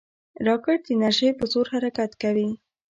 راکټ د انرژۍ په زور حرکت کوي